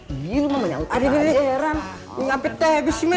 enggak bisa maksudnya enggak bisa maksudnya enggak bisa maksudnya enggak bisa maksudnya